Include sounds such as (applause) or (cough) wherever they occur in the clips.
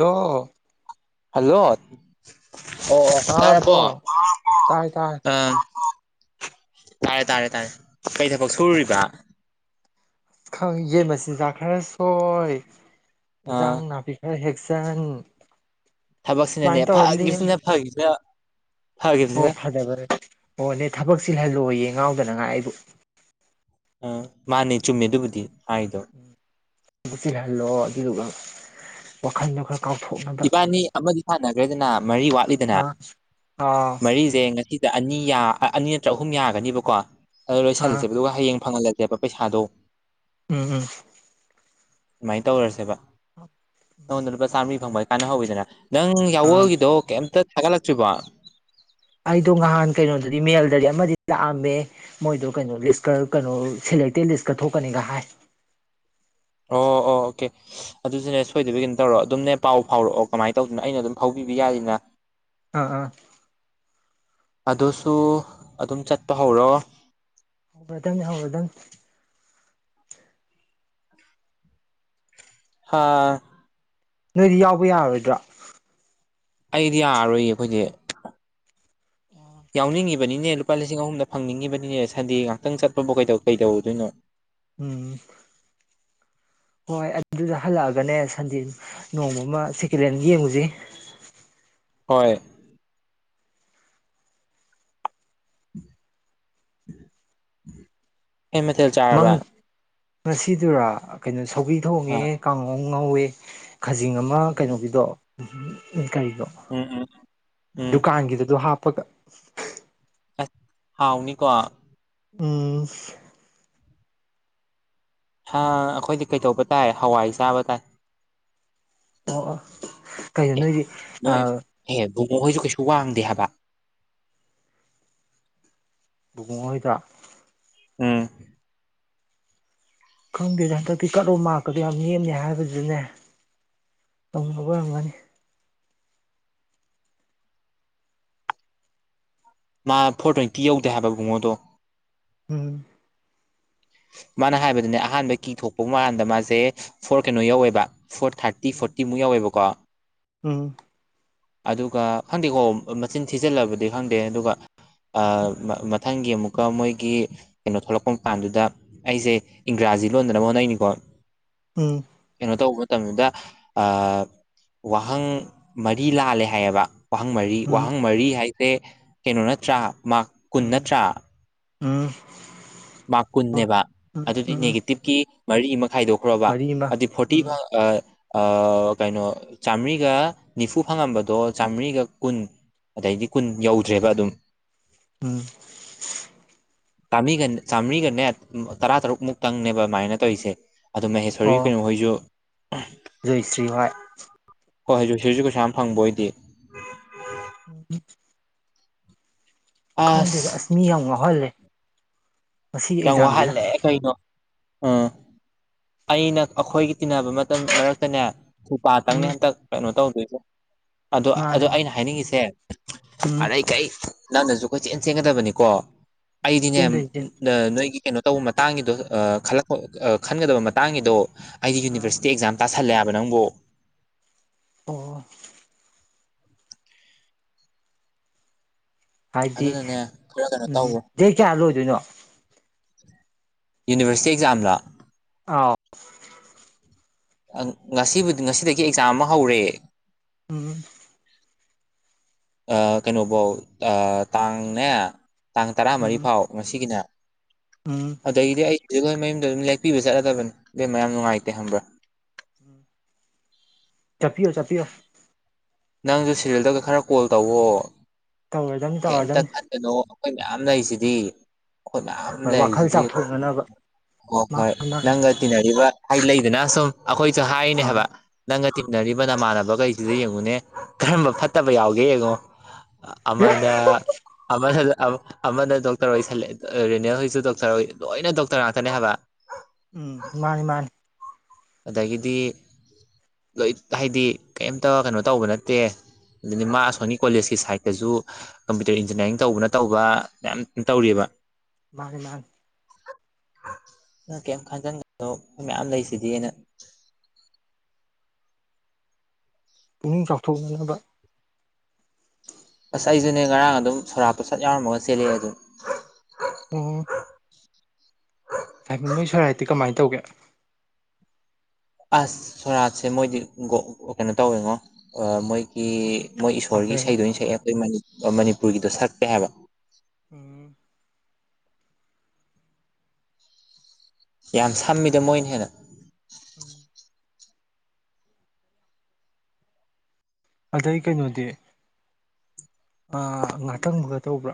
hello hello ꯑꯣ ꯑꯣ ꯇꯥꯔꯕꯣ ꯇꯥꯏ ꯇꯥꯏ ꯑꯥ ꯇꯥꯔꯦ ꯇꯥꯔꯦ ꯇꯥꯔꯦ ꯀꯔꯤ ꯊꯕꯛ ꯁꯨꯔꯨꯔꯤꯕ ꯈꯪ ꯌꯦꯟ ꯃꯆꯤꯟꯖꯥꯛ ꯈꯔ ꯁꯣꯏ ꯑꯥ ꯏꯟꯖꯥꯡ ꯅꯥꯄꯤ ꯈꯔ ꯍꯦꯛꯆꯟ ꯊꯕꯛꯁꯤꯅꯅꯦ ꯁꯨꯃꯥꯏꯅ ꯇꯧꯔ ꯂꯦꯝꯃꯦ ꯐꯈꯤꯕꯁꯤꯅ ꯐꯒꯤꯁꯤꯅ ꯑꯣ ꯐꯗꯕ ꯑꯣ ꯅꯦ ꯊꯕꯛ ꯆꯤꯜꯍꯜꯂꯣꯌꯦ ꯉꯥꯎꯗꯅꯉꯥꯏ ꯑꯩꯕꯨ ꯑ ꯃꯥꯅꯦ ꯆꯨꯝꯃꯦ ꯑꯗꯨꯕꯨꯗꯤ ꯍꯥꯏꯗꯣ ꯆꯤꯜꯍꯜꯂꯣ ꯑꯗꯨꯗꯨꯒ ꯋꯥꯈꯜꯗꯣ ꯈꯜ ꯀꯥꯎꯊꯣꯛꯅꯕ ꯏꯕꯥꯅꯤ ꯑꯃꯗꯤ ꯁꯥꯟꯅꯈ꯭ꯔꯦꯗꯅ ꯃꯔꯤ ꯋꯥꯠꯂꯤ ꯑꯥ ꯑꯣ ꯑꯩꯁꯦ ꯉꯁꯤꯗ ꯑꯅꯤꯌꯥ ꯑꯅꯤ ꯅꯠꯇ꯭ꯔ ꯑꯍꯨꯝ ꯌꯥꯒꯅꯤꯕꯀꯣ ꯑꯗꯣ ꯑꯥ ꯂꯣꯏꯁꯤꯜꯂꯁꯦꯕ ꯑꯗꯨꯒ ꯍꯌꯦꯡ ꯐꯪꯍꯜꯂꯁꯤ ꯖꯦꯕ ꯄꯩꯁꯥꯗꯣ ꯎꯝ ꯎꯝ ꯁꯨꯃꯥꯏꯅ ꯇꯧꯔꯁꯦꯕ ꯅꯉꯣꯟꯗ ꯂꯨꯄꯥ ꯆꯥꯝꯃꯔꯤ ꯐꯪꯕꯥꯏ ꯀꯥꯟꯅꯍꯧꯋꯤꯗꯅ ꯅꯪ ꯑꯥ ꯌꯥꯋꯣꯜꯒꯤꯗꯣ ꯀꯩꯝꯇ ꯊꯥꯒꯠꯂꯛꯇ꯭ꯔꯤꯕ ꯑꯩꯗꯣ ꯅꯍꯥꯟ ꯀꯩꯅꯣꯗꯗꯤ ꯃꯦꯜꯗꯗꯤ ꯑꯃꯗꯤ ꯂꯥꯛꯑꯝꯃꯦ ꯃꯣꯏꯗꯣ ꯀꯩꯅꯣ ꯂꯤꯁꯀ ꯀꯩꯅꯣ ꯁꯦꯂꯦꯛꯇꯦꯠ ꯂꯤꯁꯀ ꯊꯣꯛꯀꯅꯤꯒ ꯍꯥꯏ ꯑꯣ ꯑꯣ ꯑꯣꯀꯦ ꯑꯗꯨꯁꯨꯅꯦ ꯁꯣꯏꯗꯕꯤ ꯑꯗꯨꯝ ꯇꯧꯔꯛꯑꯣ ꯑꯗꯨꯝꯅꯦ ꯄꯥꯎ ꯐꯥꯎꯔꯛꯑꯣ ꯀꯃꯥꯏꯅ ꯇꯧꯗꯣꯏꯅꯣ ꯑꯩꯅ ꯑꯗꯨꯝ ꯐꯥꯎꯕꯤꯕ ꯌꯥꯔꯤꯅ ꯑꯥ ꯑꯥ ꯑꯗꯨꯁꯨ ꯑꯗꯨꯝ ꯆꯠꯄ ꯍꯧꯔꯣ ꯕꯔꯗꯅꯦ ꯍꯧꯔꯗꯝꯅꯦ ꯍꯥꯥ ꯅꯣꯏꯗꯤ ꯌꯥꯎꯕ ꯌꯥꯔꯔꯣꯏꯗ꯭ꯔꯣ ꯑꯩꯗꯤ ꯌꯥꯔꯣꯏꯌꯦ ꯑꯩꯈꯣꯏꯗꯤ ꯌꯥꯎꯅꯤꯡꯉꯤꯕꯅꯤꯅꯦ ꯂꯨꯄꯥ ꯂꯤꯁꯤꯡ ꯑꯍꯨꯝꯗ ꯐꯪꯅꯤꯡꯉꯤꯕꯅꯤꯅꯦ ꯁꯟꯗꯦ ꯉꯥꯛꯇꯪ ꯆꯠꯄꯕꯨ ꯀꯩꯗꯧ ꯀꯩꯗꯧꯔꯨꯗꯣꯏꯅꯣ ꯎꯝ ꯍꯣꯏ ꯑꯗꯨꯗ ꯍꯜꯂꯛꯑꯒꯅꯦ ꯁꯟꯗꯦ ꯅꯣꯡꯃ ꯑꯃ ꯁꯦꯀꯦꯟ ꯍꯦꯟ ꯌꯦꯡꯉꯨꯁꯦ ꯍꯣꯏ ꯀꯩ ꯃꯊꯦꯜ ꯆꯥꯔꯕ ꯉꯁꯤꯗꯨꯔꯣ ꯀꯩꯅꯣ ꯁꯧꯒ꯭ꯔꯤ ꯊꯣꯡꯉꯦ ꯑꯥ ꯀꯥꯡꯉꯧ ꯑꯝ ꯉꯧꯋꯦ ꯈꯖꯤꯡ ꯑꯃ ꯎꯝ ꯀꯩꯅꯣꯒꯤꯗꯣ ꯀꯔꯤꯗꯣ ꯎꯝ ꯎꯝ ꯗꯨꯀꯥꯟꯒꯤꯗ ꯑꯗꯨ ꯍꯥꯞꯄꯒ ꯑꯁ ꯍꯥꯎꯅꯤꯀꯣ ꯎꯝ ꯍꯥ ꯑꯩꯈꯣꯏꯗꯤ ꯀꯩꯗꯧꯕ ꯇꯥꯏ ꯍꯋꯥꯏ ꯆꯥꯕ ꯇꯥꯏ ꯑꯣ ꯀꯩꯅꯣ ꯅꯣꯏꯗꯤ ꯅꯣꯏ ꯑꯦ ꯕꯨꯡꯕꯨꯡ ꯃꯈ ꯍꯣꯏꯁꯨ ꯀꯩꯁꯨ ꯋꯥꯡꯗꯦ ꯍꯥꯏꯕ ꯕꯨꯡꯉꯣꯍꯣꯏꯗꯣ ꯎꯝ ꯈꯪꯗꯦꯅꯦ ꯍꯟꯗꯛꯇꯤ ꯀꯠꯂꯣ ꯃꯥꯔꯀꯗꯣ ꯌꯥꯝ ꯅꯦꯝꯅꯦ ꯍꯥꯏꯕꯗꯨꯅꯦ ꯇꯧ ꯑꯣꯏꯔꯝꯒꯅꯤ ꯃꯥ ꯐꯣꯔ ꯇ꯭ꯋꯦꯟꯇꯤ ꯌꯧꯗꯦ ꯍꯥꯏꯕ ꯕꯨꯡꯉꯣꯗꯣ ꯎꯝ ꯃꯥꯅ ꯍꯥꯏꯕꯗꯅꯦ ꯑꯍꯥꯟꯕ ꯀꯤ ꯊꯣꯛꯄ ꯃꯥꯟꯗ ꯃꯥꯁꯦ ꯐꯣꯔ ꯀꯩꯅꯣ ꯌꯧꯋꯦꯕ ꯐꯣꯔ ꯊꯥꯔꯠꯤ ꯐꯔꯇꯤꯃꯨꯛ ꯌꯥꯎꯋꯕꯀꯣ ꯎꯝ ꯑꯗꯨꯒ ꯈꯪꯗꯦꯀꯣ ꯃꯆꯤꯟ ꯊꯤꯖꯤꯜꯂꯕꯗꯤ ꯈꯪꯗꯦ ꯑꯗꯨꯒ ꯃꯊꯪꯒꯤ ꯑꯃꯨꯛꯀ ꯃꯣꯏꯒꯤ ꯀꯩꯅꯣ ꯊꯣꯛꯂꯛꯄ ꯃꯄꯥꯟꯗꯨꯗ ꯑꯩꯁꯦ ꯏꯪꯒ꯭ꯔꯥꯖꯤ ꯂꯣꯟꯗꯅꯕ ꯍꯣꯠꯅꯩꯅꯤꯀꯣ ꯎꯝ ꯀꯩꯅꯣ ꯇꯧꯕ ꯃꯇꯝꯗꯨꯗ ꯋꯥꯍꯪ ꯃꯔꯤ ꯂꯥꯜꯂꯦ ꯍꯥꯏꯌꯦꯕ ꯋꯥꯍꯪ ꯃꯔꯤ ꯎꯝ ꯋꯥꯍꯪ ꯃꯔꯤ ꯍꯥꯏꯁꯦ ꯀꯩꯅꯣ ꯅꯠꯇ꯭ꯔꯥ ꯃꯥꯔ ꯀꯨꯟ ꯎꯝ ꯅꯠꯇ꯭ꯔꯥ ꯎꯝ ꯃꯥꯔꯛ ꯎꯝ ꯀꯨꯟꯅꯦꯕ ꯎꯝ ꯑꯗꯨꯗꯤ ꯎꯝ ꯅꯦꯒꯦꯇꯤꯞꯀꯤ ꯃꯔꯤ ꯑꯃ ꯈꯥꯏꯗꯣꯛ ꯈ꯭ꯔꯕ ꯃꯔꯤ ꯑꯃ ꯍꯥꯏꯗꯤ ꯐꯣꯔꯇꯤ ꯎꯝ ꯀꯩꯅꯣ ꯆꯥꯃ꯭ꯔꯤꯒ ꯅꯤꯐꯨ ꯐꯪꯉꯝꯕꯗꯣ ꯆꯥꯃ꯭ꯔꯤꯒ ꯀꯨꯟ ꯑꯗꯩꯗꯤ ꯀꯨꯟ ꯌꯧꯗ꯭ꯔꯦꯕ ꯑꯗꯨꯝ ꯎꯝ ꯆꯝꯕꯔ꯭ꯤꯒ ꯆꯥꯝꯃꯔꯤꯒꯅꯦ ꯇꯔꯥ ꯇꯔꯨꯛ ꯃꯨꯛꯇꯪꯅꯦꯕ ꯑꯗꯨꯃꯥꯏꯅ ꯇꯧꯔꯤꯁꯦ ꯑꯗꯣ ꯃꯍꯦꯁꯔꯤꯒꯤ ꯑꯣ ꯀꯩꯅꯣ ꯍꯣꯏꯁꯨ ꯖꯣꯏꯁ꯭ꯔꯤ ꯍꯥꯏ ꯍꯣꯏ ꯍꯧꯖꯤ ꯁꯤꯁꯨ ꯀꯩꯁꯨ ꯌꯥꯝ ꯐꯪꯕ ꯑꯣꯏꯗꯤ (inaudible) ꯈꯪꯗꯦꯗ ꯑꯁ ꯃꯤ ꯌꯥꯝ ꯉꯥꯎꯍꯜꯂꯦ ꯉꯁꯤꯒꯤ ꯌꯥꯝ ꯑꯦꯛꯖꯥꯝꯁꯤꯅ ꯋꯥꯍꯜꯂꯛꯑꯦ ꯀꯩꯅꯣ ꯎꯝ ꯑꯩꯅ ꯑꯩꯈꯣꯏꯒꯤ ꯇꯤꯟꯅꯕ ꯃꯇꯝ ꯃꯔꯛꯇꯅꯦ ꯁꯨꯄꯥꯥꯇꯪꯅꯦ ꯎꯝ ꯍꯟꯇꯛ ꯀꯩꯅꯣ ꯇꯧꯗꯣꯏꯁꯦ ꯑꯗꯣ ꯃꯥꯅꯦ ꯑꯣ ꯃꯥꯅꯦ ꯑꯩꯅ ꯍꯥꯏꯅꯤꯡꯉꯤꯁꯦ ꯎꯝ ꯑꯔꯩ ꯀꯩ ꯅꯪꯅꯁꯨ ꯀꯣꯏꯆꯦꯟ ꯆꯦꯟꯒꯗꯕꯅꯤꯀꯣ ꯑꯩꯗꯤꯅꯦ ꯆꯦꯟꯗꯣꯏꯅꯤ ꯆꯦꯟ ꯅꯣꯏꯒꯤ ꯀꯩꯅꯣ ꯇꯧꯕ ꯃꯇꯥꯡꯒꯤꯗꯣ ꯈꯜꯂꯛꯄ ꯈꯟꯒꯗꯕ ꯃꯇꯥꯡꯒꯤꯗꯣ ꯑꯩꯗꯤ ꯑꯥ ꯌꯨꯅꯤꯕꯔꯁꯤꯇꯤ ꯑꯦꯛꯖꯥꯝ ꯇꯥꯁꯜꯂꯦꯕ ꯅꯪꯕꯨ ꯑꯣ ꯍꯥꯏꯗꯤ ꯑꯗꯨꯅꯅꯦ ꯈꯔ ꯀꯩꯅꯣ ꯎꯝ ꯇꯧꯔꯦ ꯗꯦꯠ ꯀꯌꯥ ꯂꯣꯏꯗꯣꯏꯅꯣ ꯌꯨꯅꯤꯚꯔꯁꯤꯇꯤ ꯑꯦꯛꯖꯥꯝꯂꯣ ꯑꯥꯎ ꯉꯁꯤꯕꯨꯗꯤ ꯉꯁꯤꯗꯒꯤ ꯑꯦꯛꯖꯥꯝ ꯑꯃ ꯍꯧꯔꯦ ꯎꯝ ꯀꯩꯅꯣꯐꯧ ꯇꯥꯡꯅꯦ ꯇꯥꯡ ꯇꯔꯥꯃꯔꯤ ꯎꯝ ꯐꯥꯎ ꯉꯁꯤꯒꯤꯅꯦ ꯎꯝ ꯑꯗꯒꯤꯗꯤ ꯑꯩꯁꯨ ꯑꯩꯈꯣꯏ ꯃꯌꯨꯝꯗ ꯑꯗꯨꯝ ꯂꯦꯛꯄꯤꯕ ꯆꯠꯂꯗꯕꯅꯤ ꯕꯦꯝ ꯃꯌꯥꯝ ꯅꯨꯡꯉꯥꯏꯇꯦ ꯍꯪꯕ꯭ꯔꯥ ꯆꯞꯄꯤꯌꯣ ꯆꯞꯄꯤꯌꯣ ꯅꯪꯁꯨ ꯁꯦꯔꯤꯜꯗꯒ ꯈꯔ ꯀꯣꯜ ꯇꯧꯋꯣ ꯇꯧꯔꯗꯝꯅꯤ ꯀꯩꯇ ꯇꯧꯔꯗꯝꯅꯤ ꯀꯩꯅꯣ ꯑꯩꯈꯣꯏ ꯃꯌꯥꯝ ꯂꯩꯔꯤꯁꯤꯗꯤ ꯑꯩꯏꯅꯥ ꯃꯌꯥꯝ ꯍꯣꯏ ꯋꯥꯈꯜ ꯂꯩꯁꯤꯗꯤ ꯆꯥꯎꯊꯣꯛꯅꯅꯕ ꯍꯣꯏ ꯍꯣꯏ ꯃꯥꯅꯤ ꯃꯥꯅꯤ ꯅꯪꯒ ꯇꯤꯟꯅꯔꯤꯕ ꯍꯥꯏ ꯂꯩꯗꯅ ꯁꯨꯝ ꯑꯩꯈꯣꯏꯁꯨ ꯍꯥꯏꯔꯤꯅꯦ ꯑꯥ ꯍꯥꯏꯕ ꯅꯪꯅ ꯇꯤꯟꯅꯔꯤꯕ ꯅꯃꯥꯟꯅꯕꯒꯩ ꯁꯤꯗ ꯌꯦꯡꯉꯨꯅꯦ ꯀꯔꯝꯕ ꯐꯠꯇꯕ ꯌꯥꯎꯒꯦ ꯌꯦꯡꯉꯣ ꯑꯃꯗ ꯑꯃꯥꯅ ꯑ ꯑꯃꯗ ꯗꯣꯛꯇꯔ ꯑꯣꯏꯁꯜꯂꯦ ꯔꯦꯅꯦꯜ ꯍꯣꯏꯁꯨ ꯗꯣꯛꯇꯔ ꯑꯣꯏ ꯂꯣꯏꯅ ꯗꯣꯛꯇꯔ ꯉꯥꯛꯇꯅꯦ ꯍꯥꯏꯕ ꯎꯝ ꯃꯥꯅꯤ ꯃꯥꯅꯤ ꯑꯗꯒꯤꯗꯤ ꯂꯣꯏ ꯍꯥꯏꯗꯤ ꯀꯩꯝꯇ ꯀꯩꯅꯣ ꯇꯧꯕ ꯅꯠꯇꯦ ꯑꯗꯨꯅꯤ ꯃꯥ ꯑꯁꯣꯝꯒꯤ ꯀꯣꯂꯦꯖꯀꯤ ꯁꯥꯠꯇꯁꯨ ꯀꯝꯄ꯭ꯌꯨꯇꯔ ꯏꯟꯖꯤꯅꯤ꯭ꯌꯥꯔꯤꯡ ꯇꯧꯕꯅ ꯇꯧꯕ ꯃꯌꯥꯝ ꯇꯧꯔꯤꯕꯑꯕ ꯃꯥꯅꯦ ꯃꯥꯅꯦ ꯅꯪ ꯀꯩꯝ ꯈꯟꯖꯟꯒꯅꯣ ꯑꯩꯈꯣꯏ ꯃꯌꯥꯝ ꯂꯩꯁꯤꯗꯤ ꯄꯨꯛꯅꯤꯡ ꯆꯥꯎꯊꯣꯛꯅꯅꯕ ꯑꯁ ꯑꯩꯁꯨꯅꯦ ꯉꯔꯥꯡ ꯑꯗꯨꯝ ꯁꯣꯔꯥꯛꯝꯠꯇꯣ ꯁꯠ ꯌꯥꯎꯔꯝꯃꯒ ꯆꯦꯜꯂꯛꯑꯦ ꯑꯗꯨꯝ ꯑꯣ ꯄꯥꯏꯈꯣꯝꯕꯩ ꯁꯣꯔꯥꯠꯇꯤ ꯀꯃꯥꯏ ꯇꯧꯒꯦ ꯑꯁ ꯁꯣꯔꯥꯠꯁꯦ ꯃꯣꯏꯗꯤ ꯒꯣ ꯀꯩꯅꯣ ꯇꯧꯋꯦꯉꯣ ꯑ ꯃꯣꯏ ꯑꯦ ꯃꯣꯏ ꯏꯁꯣꯔꯒꯤ ꯐꯥꯗꯔ ꯏꯁꯩꯗꯣ ꯑꯣꯏꯅ ꯁꯛꯑꯦ ꯑꯩꯈꯣꯏ ꯃꯅꯤꯄꯨꯔꯒꯤꯗꯣ ꯁꯛꯇꯦ ꯍꯥꯏꯕ ꯎꯝ ꯌꯥꯝ ꯁꯝꯃꯤꯗ ꯃꯣꯏꯅ ꯍꯦꯟꯅ ꯎꯝ ꯑꯗꯩ ꯀꯩꯅꯣꯗꯤ ꯑꯥ ꯉꯥꯇꯪꯕꯒ ꯇꯧꯕ꯭ꯔꯥ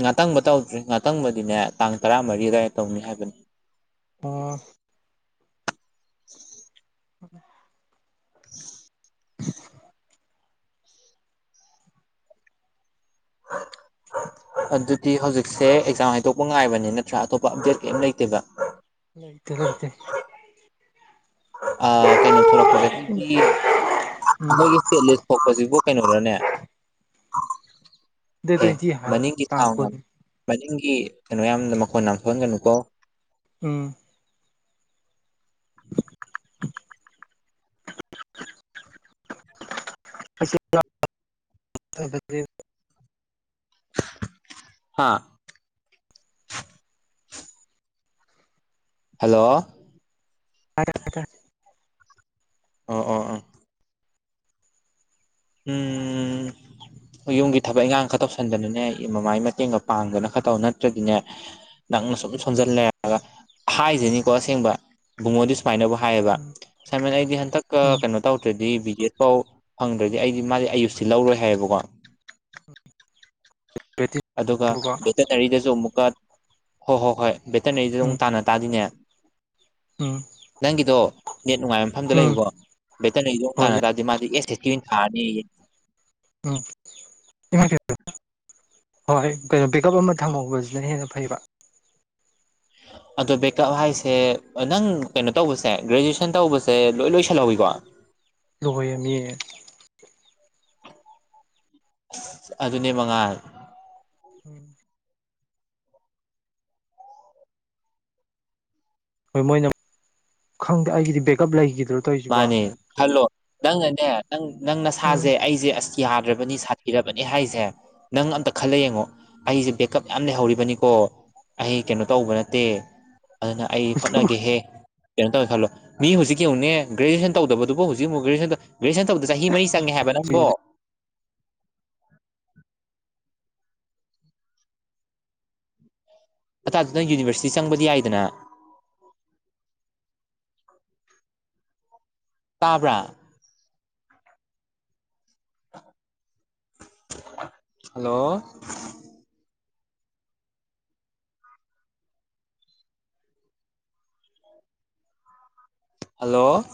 ꯉꯥꯇꯪꯕ ꯇꯧꯗ꯭ꯔꯤ ꯉꯥꯇꯪꯕꯗꯤꯅꯦ ꯇꯥꯡ ꯇꯔꯥꯃꯔꯤ ꯑꯗꯥꯏꯗ ꯇꯧꯅꯤ ꯍꯥꯏꯕꯅꯤ ꯑꯣ (inaudible) (inaudible) (inaudible) ꯑꯗꯨꯗꯤ ꯍꯧꯖꯤꯛꯁꯦ ꯑꯦꯛꯖꯥꯝ ꯍꯥꯏꯗꯣꯛꯄ ꯉꯥꯏꯕꯅꯦ ꯅꯠꯇ꯭ꯔꯥ ꯑꯇꯣꯞꯄ ꯑꯞꯗꯦꯠ ꯀꯩꯝ ꯂꯩꯇꯦꯕ ꯂꯩꯇꯦ ꯂꯩꯇꯦ ꯑ ꯀꯩꯅꯣ ꯊꯣꯛꯂꯛꯄꯁꯦ ꯑꯩꯈꯣꯏꯒꯤ ꯎꯝ ꯑꯩꯈꯣꯏꯒꯤ ꯇꯣꯂꯦꯠ ꯊꯣꯛꯣꯛꯄꯁꯤꯕꯨ ꯀꯩꯅꯣꯔꯅꯦ ꯗꯦꯠ ꯑꯦ ꯇ꯭ꯋꯦꯟꯇꯤ ꯍꯥꯏꯒꯅꯤ ꯃꯅꯤꯡꯒꯤ ꯇꯥꯡ ꯊꯧꯅ ꯀꯨꯟ ꯃꯅꯤꯡꯒꯤ ꯀꯩꯅꯣ ꯌꯥꯝꯅ ꯃꯈꯣꯟ ꯌꯥꯝꯅ ꯊꯣꯛꯍꯟꯒꯅꯨ ꯀꯣ ꯎꯝ (inaudible) (unintelligible) ꯍꯥꯥ ꯍꯜꯂꯣ ꯇꯥꯔꯦ ꯇꯥꯔꯦ ꯑꯣ ꯑꯣ ꯑꯥ ꯎꯝ ꯌꯨꯝꯒꯤ ꯊꯕꯛ ꯏꯪꯈꯥꯡ ꯈꯔ ꯇꯧꯁꯟꯗꯅꯅꯦ ꯃꯃꯥꯏ ꯃꯇꯦꯡꯒ ꯄꯥꯡꯗꯅ ꯈꯔꯇꯧ ꯅꯠꯇ꯭ꯔꯗꯤꯅꯦ ꯅꯪꯅ ꯁꯨꯝ ꯁꯣꯟꯖꯜ ꯂꯩꯔꯒ ꯍꯥꯏꯖꯅꯤꯀꯣ ꯑꯁꯦꯡꯕ ꯕꯨꯡꯉꯣꯗꯤ ꯁꯨꯃꯥꯏꯅꯕꯨ ꯍꯥꯏꯌꯦꯕ ꯁꯥꯏꯃꯦꯟ ꯑꯩꯗꯤ ꯍꯟꯗꯛ ꯀ ꯀꯩꯅꯣ ꯇꯧꯗ꯭ꯔꯗꯤ ꯕꯤ ꯖꯤ ꯑꯦꯁ ꯐꯥꯎ ꯐꯪꯗ꯭ꯔꯗꯤ ꯑꯩꯗꯤ ꯃꯥꯗꯤ ꯑꯌꯨꯁꯇꯤ ꯂꯧꯔꯣꯏ ꯍꯥꯏꯌꯦꯕꯀꯣ ꯑꯗꯨꯒ ꯎꯝ ꯕꯦꯇꯅꯔꯤꯗꯁꯨ ꯑꯃꯨꯛꯀ ꯍꯣꯏ ꯍꯣꯏ ꯍꯣꯏ ꯕꯦꯇꯅꯔꯤꯗ ꯎꯝ ꯑꯃꯨꯛ ꯇꯥꯅ ꯇꯥꯗꯤꯅꯦ ꯎꯝ ꯅꯪꯒꯤꯗꯣ ꯅꯠ ꯅꯨꯡꯉꯥꯏꯕ ꯃꯐꯝꯗ ꯎꯝ ꯂꯩꯌꯨꯀꯣ ꯕꯦꯇꯅꯔꯤꯗ ꯑꯃꯨꯛ ꯍꯣꯏ ꯇꯥꯟꯅ ꯇꯥꯗꯦ ꯃꯥꯗꯤ ꯑꯦꯁ ꯑꯦꯁ ꯁꯤ ꯑꯣꯏꯅ ꯊꯥꯔꯅꯤꯌꯦ ꯎꯝ (unintelligible) ꯍꯣꯏ ꯀꯩꯅꯣ ꯕꯦꯛꯑꯞ ꯑꯃ ꯊꯝꯍꯧꯕꯁꯤꯅ ꯍꯦꯟꯅ ꯐꯩꯕ ꯑꯗꯣ ꯕꯦꯛꯑꯞ ꯍꯥꯏꯁꯦ ꯅꯪ ꯀꯩꯅꯣ ꯇꯧꯕꯁꯦ ꯒ꯭ꯔꯦꯖꯨꯋꯦꯁꯟ ꯇꯧꯕꯁꯦ ꯂꯣꯏ ꯂꯣꯏꯁꯜꯍꯧꯋꯤꯀꯣ ꯂꯣꯏꯑꯦ ꯃꯤ ꯑꯗꯨꯅꯦ ꯃꯉꯥꯜ (inaudible) ꯍꯣꯏ ꯃꯣꯏꯅ ꯈꯪꯗꯦ ꯑꯩꯒꯤꯗꯤ ꯕꯦꯒꯀꯞ ꯂꯩꯒꯤꯗ꯭ꯔꯣ ꯃꯥꯅꯦ ꯈꯥꯜꯂꯣ ꯅꯪꯅꯅꯦ ꯅꯪ ꯅꯪ ꯎꯝ ꯅꯁꯥꯖꯦ ꯑꯩꯖꯦ ꯑꯁ ꯌꯥꯗ꯭ꯔꯕꯅꯤ ꯁꯥꯊꯤꯔꯕꯅꯤ ꯍꯥꯏꯁꯦ ꯅꯪ ꯑꯝꯇ ꯈꯜꯂ ꯌꯦꯡꯉꯣ ꯑꯩꯁꯦ ꯕꯦꯛꯀꯞ ꯌꯥꯝꯅ ꯂꯩꯍꯧꯔꯤꯕꯅꯤꯀꯣ ꯑꯩ ꯀꯩꯅꯣ ꯇꯧꯕ ꯅꯠꯇꯦ ꯑꯗꯨꯅ ꯑꯩ ꯍꯣꯠꯅꯒꯦꯍꯦ ꯀꯩꯅꯣ ꯇꯧꯋꯦ ꯈꯜꯂꯣ ꯃꯤ ꯍꯧꯖꯤꯛ ꯌꯦꯡꯉꯨꯅꯦ ꯒ꯭ꯔꯦꯖꯨꯌꯦꯁꯟ ꯇꯧꯗꯕꯗꯨꯕꯎ ꯍꯧꯖꯤꯛ ꯑꯃꯨꯛ ꯒ꯭ꯔꯦꯖꯨꯌꯦꯁꯟ ꯒ꯭ꯔꯦꯖꯨꯌꯦꯁꯟ ꯇꯧꯕꯗ ꯆꯍꯤ ꯃꯔꯤ ꯆꯪꯉꯦ ꯍꯥꯏꯕ ꯅꯪꯕꯣ ꯑꯇꯥꯗꯨꯗ ꯌꯨꯅꯤꯕꯔꯁꯤꯇꯤ ꯆꯪꯕꯗꯤ ꯌꯥꯏꯗꯅ ꯇꯥꯕ꯭ꯔꯥ ꯍꯜꯂꯣ ꯍꯜꯂꯣ